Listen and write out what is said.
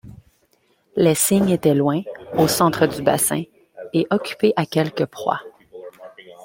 Les cygnes étaient loin, au centre du bassin, et occupés à quelque proie.